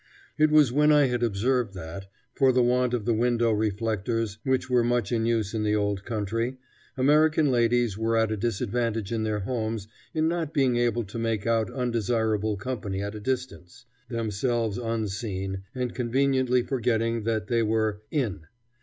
It was when I had observed that, for the want of the window reflectors which were much in use in the old country, American ladies were at a disadvantage in their homes in not being able to make out undesirable company at a distance, themselves unseen, and conveniently forgetting that they were "in."